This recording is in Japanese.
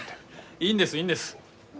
いいんですいいんです。